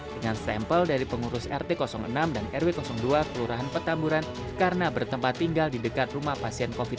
dengan sampel dari pengurus rt enam dan rw dua kelurahan petamburan karena bertempat tinggal di dekat rumah pasien covid sembilan belas